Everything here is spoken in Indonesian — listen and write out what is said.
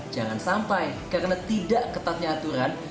jangan sampai karena tidak ketatnya aturan